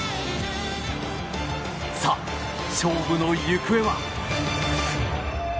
さあ、勝負の行方は。